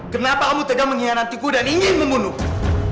kenapa kamu tegak mengkhianatiku dan ingin membunuhku